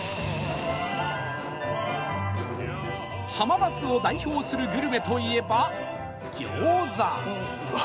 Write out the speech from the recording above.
浜松を代表するグルメといえばギョーザ。